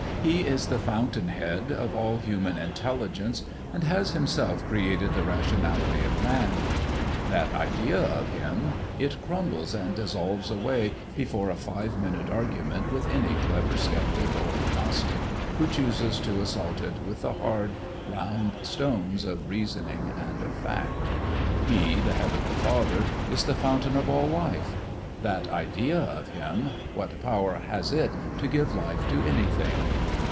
He is the fountain head of all human intelligence, and has Himself created the rationality of man; that idea of Him it crumbles and dissolves away before a five minute argument with any clever sceptic or agnostic who chooses to assault it with the hard, round stones of reasoning and of fact. He, the Heavenly Father, is the fountain of all life; that idea of Him what power has it to give life to anything?